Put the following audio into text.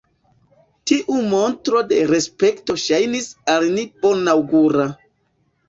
Tiu montro de respekto ŝajnis al ni bonaŭgura.